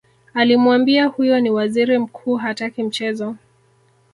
alimwambia huyo ni waziri mkuu hataki mchezo